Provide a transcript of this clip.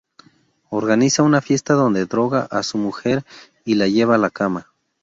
Organiza una fiesta donde droga a su mujer y la lleva a la cama.